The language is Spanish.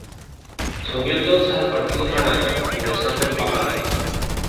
Se unió entonces al Partido Janata, ingresando al parlamento.